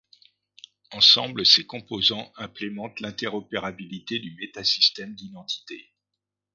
Ensemble, ces composants implémentent l'interopérabilité du Métasystème d'identité.